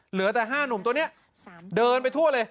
เหลือแต่๕หนุ่มตัวนี้เดินไปทั่วเลย